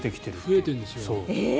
増えてるんですよ。